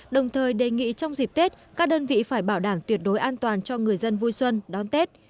đồng thời đề nghị trong dịp tết các đơn vị phải bảo đảm tuyệt đối an toàn cho người dân vui xuân đón tết